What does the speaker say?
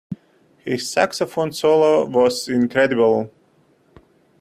His saxophone solo was incredible.